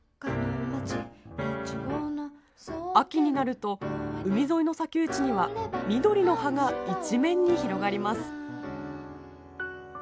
秋になると海沿いの砂丘地には緑の葉が一面に広がります。